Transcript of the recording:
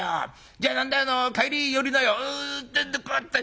じゃあ何だ帰り寄りなよ』てんでこうやって。